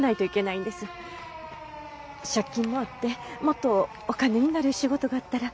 借金もあってもっとお金になる仕事があったら。